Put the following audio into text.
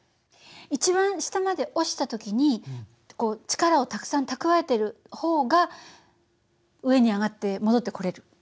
一番下まで落ちた時に力をたくさん蓄えている方が上に上がって戻ってこれる。